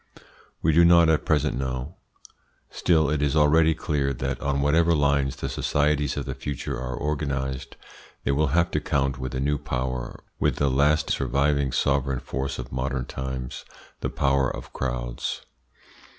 We do not at present know. Still it is already clear that on whatever lines the societies of the future are organised, they will have to count with a new power, with the last surviving sovereign force of modern times, the power of crowds.